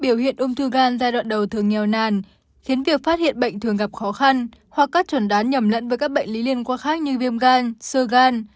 biểu hiện ung thư gan giai đoạn đầu thường nghèo nàn khiến việc phát hiện bệnh thường gặp khó khăn hoặc các chuẩn đoán nhầm lẫn với các bệnh lý liên quan khác như viêm gan sơ gan